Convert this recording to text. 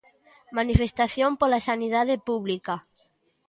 Manifestación pola sanidade pública.